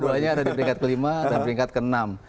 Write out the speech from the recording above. duanya ada di peringkat kelima dan peringkat ke enam